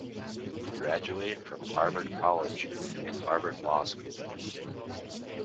He graduated from Harvard College and Harvard Law School.